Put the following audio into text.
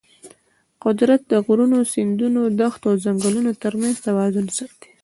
قدرت د غرونو، سیندونو، دښتو او ځنګلونو ترمنځ توازن ساتي.